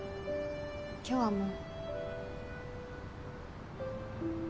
今日はもう。